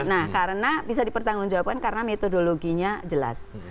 nah karena bisa dipertanggung jawabkan karena metodologinya jelas